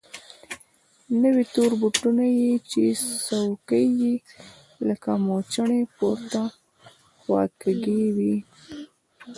نوي تور بوټونه يې چې څوکې يې لکه موچڼې پورته خوا کږې وې.